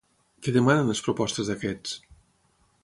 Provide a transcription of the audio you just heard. Què demanen les propostes d'aquests?